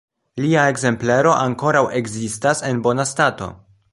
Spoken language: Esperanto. Lia ekzemplero ankoraŭ ekzistas en bona stato.